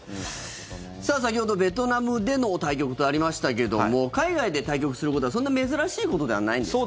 先ほどベトナムでの対局とありましたけども海外で対局することはそんな珍しいことではないんですか。